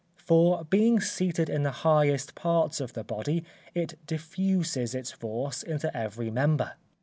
For being seated in the highest parts of the body it diffuses its force into every member.